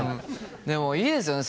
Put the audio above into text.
でもいいですよね